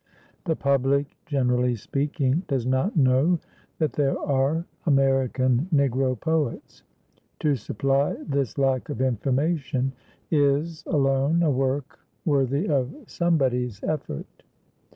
The public, generally speaking, does not know that there are American Negro poets to supply this lack of information is, alone, a work worthy of somebody's effort.